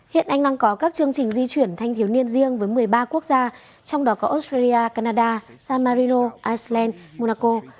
hiện anh đang có các chương trình di chuyển thanh thiếu niên riêng với một mươi ba quốc gia trong đó có australia canada samario iceland monaco